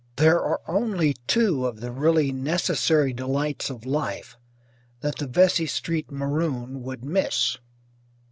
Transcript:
There are only two of the really necessary delights of life that the Vesey Street maroon would miss.